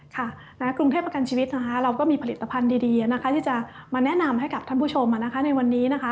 กรุงเทพประกันชีวิตนะคะเราก็มีผลิตภัณฑ์ดีนะคะที่จะมาแนะนำให้กับท่านผู้ชมในวันนี้นะคะ